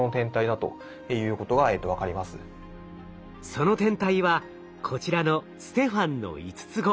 その天体はこちらのステファンの５つ子。